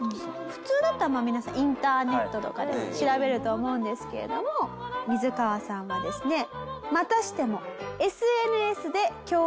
普通だったら皆さんインターネットとかで調べると思うんですけれどもミズカワさんはですねまたしても。